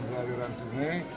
dua aliran sungai